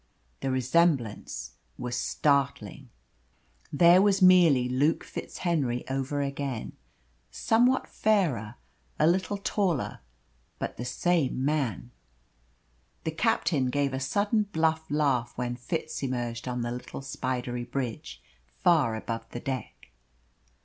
The resemblance was startling. There was merely Luke FitzHenry over again, somewhat fairer, a little taller, but the same man. The captain gave a sudden bluff laugh when Fitz emerged on the little spidery bridge far above the deck.